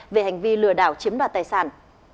về hành vi lừa đảo chiếm đoạt tài sản